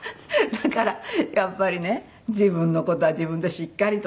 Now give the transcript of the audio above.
だからやっぱりね自分の事は自分でしっかりとね。